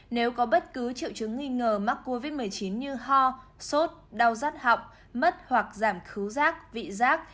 nếu có bất cứ triệu chứng nghi ngờ mắc covid một mươi chín như ho sốt đau rắt họng mất hoặc giảm thú rác vị rác